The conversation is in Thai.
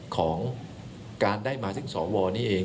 ของการได้มาซึ่งสวนี้เอง